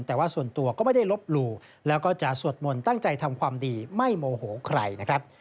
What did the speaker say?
แต่ว่าส่วนตัวก็ไม่ได้ลบหลู่แล้วก็จะสวดมนต์ตั้งใจทำความดีไม่โมโหใครนะครับ